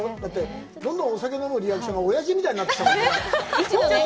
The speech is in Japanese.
どんどんお酒飲むリアクションがおやじみたいになってきたもんね。